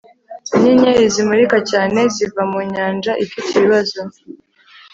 Inyenyeri zimurika cyane ziva mu nyanja ifite ibibazo